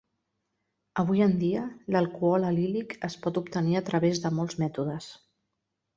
Avui en dia l'alcohol alílic es pot obtenir a través de molts mètodes.